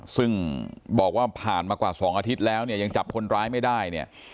ซึ่งบอกว่าผ่านมากว่า๒อาทิตย์แล้วเนี่ยยังจับคนร้ายไม่ได้เนี่ย